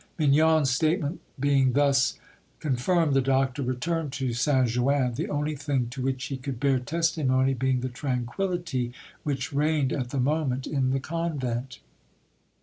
Mignon's statement being thus confirmed, the doctor returned to Saint Jouin, the only thing to which he could bear testimony being the tranquillity which reigned at the moment in the convent.